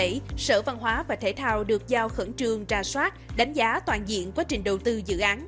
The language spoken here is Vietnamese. cụ thể sở văn hóa và thể thao được giao khẩn trương ra soát đánh giá toàn diện quá trình đầu tư dự án